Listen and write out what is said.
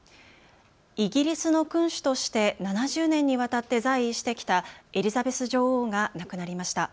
イギリスの君主として７０年にわたって在位してきたエリザベス女王が亡くなりました。